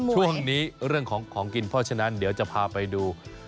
ช่วงนี้เรื่องของของกินเพราะฉะนั้นเดี๋ยวจะพาไปดู